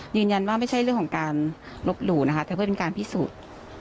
ยืนยันว่าไม่ใช่เรื่องของการลบหลู่นะครับแต่เพื่อเป็นการพิสูจน์